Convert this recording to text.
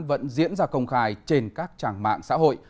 vẫn diễn ra công khai trên các trang mạng xã hội